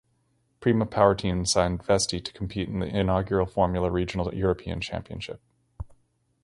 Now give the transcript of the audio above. Prema Powerteam signed Vesti to compete in the inaugural Formula Regional European Championship.